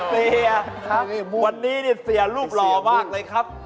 สเตี่ยล์วันนี้เสียรูปรอบมากเลยครับ